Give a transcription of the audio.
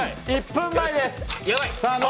１分前です。